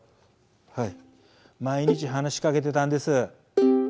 はい毎日話しかけてたんです。